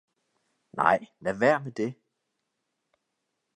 Nej lad være med det!